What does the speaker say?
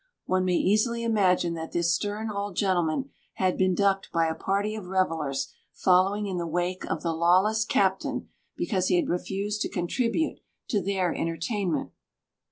One may easily imagine that this stern old gentleman had been ducked by a party of revellers following in the wake of the lawless "Captaine" because he had refused to contribute to their entertainment.